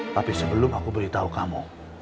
tapi sebelum aku beritahu kamu